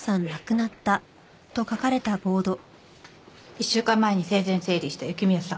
１週間前に生前整理した雪宮さん